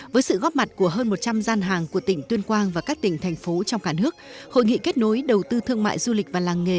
với sự góp mặt của hơn một trăm linh gian hàng của tỉnh tuyên quang và các tỉnh thành phố trong cả nước hội nghị kết nối đầu tư thương mại du lịch và làng nghề